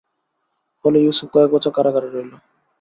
ফলে ইউসুফ কয়েক বছর কারাগারে রইল।